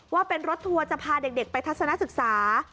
ว่าเป็นรถทัวร์จะพาเด็กไปทัศนศึกษา